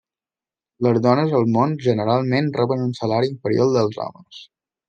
Les dones al món, generalment, reben un salari inferior al dels homes.